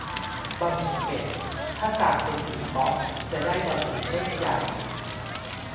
บะหมี่เป็ด ถ้าสั่งเป็นหมี่เป๊าะ จะได้บะหมี่เส้นใหญ่